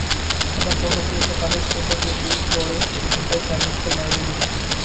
আবার কর্ণফুলীতে পানির স্রোতের গতি গড়ে ঘণ্টায় চার নটিক্যাল মাইলের বেশি।